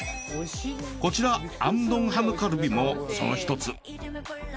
こちらアンドンハヌカルビもその１つ。